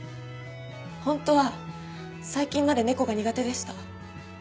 本当は最近まで猫が苦手でした。